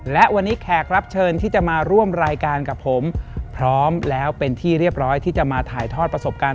และวันนี้แขกรับเชิญที่จะมาร่วมรายการกับผมพร้อมแล้วเป็นที่เรียบร้อยที่จะมาถ่ายทอดประสบการณ์